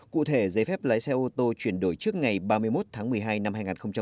cụ thể giấy phép lái xe ô tô chuyển đổi trước ngày ba mươi một tháng một mươi hai năm hai nghìn hai mươi